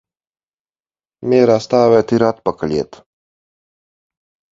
Mierā stāvēt ir atpakaļ iet.